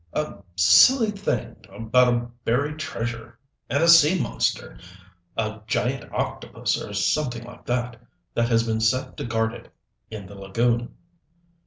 "A silly thing about a buried treasure and a sea monster a giant octopus or something like that that had been set to guard it in the lagoon."